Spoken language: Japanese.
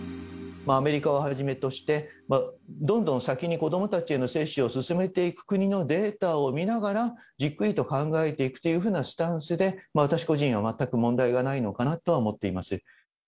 アメリカをはじめとして、どんどん先に子どもたちへの接種を進めていく国のデータを見ながら、じっくりと考えていくというふうなスタンスで、私個人は全く問題がないのかなとは思っています。